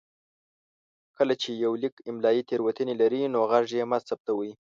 کله چې يو ليک املايي تېروتنې لري نو غږ يې مه ثبتوئ.